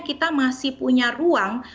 kita masih punya ruang